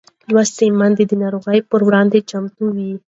لوستې میندې د ناروغۍ پر وړاندې چمتو وي.